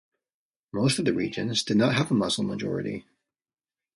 Most of the regions did not have a Muslim majority.